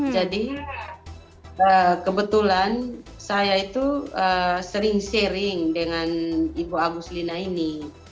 jadi kebetulan saya itu sering sering dengan ibu agus lina ini